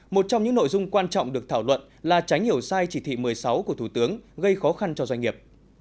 một trong những nội dung quan trọng được thảo luận là tránh hiểu sai chỉ thị một mươi sáu của thủ tướng gây khó khăn cho doanh nghiệp